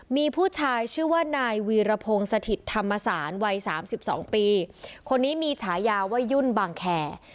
มีผู้ชายชื่อว่านายวีรพงศ์สถิตธรรมศาลวัยสามสิบสองปีคนนี้มีฉายาว่ายุ่นบางแคร์